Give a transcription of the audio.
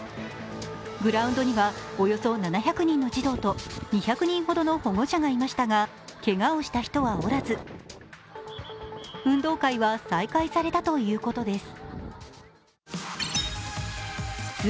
グラウンドにはおよそ７００人の児童と２００人ほどの保護者がいましたがけがをした人はおらず運動会は再開されたということです。